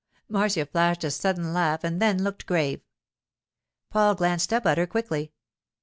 Marcia flashed a sudden laugh and then looked grave. Paul glanced up at her quickly.